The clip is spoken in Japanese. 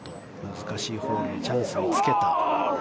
難しいホールでチャンスをつけた。